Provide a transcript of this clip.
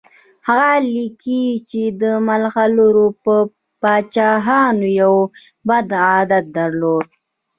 هغه لیکي چې د مغولو پاچاهانو یو بد عادت درلود.